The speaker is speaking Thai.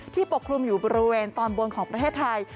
ปกคลุมอยู่บริเวณตอนบนของประเทศไทย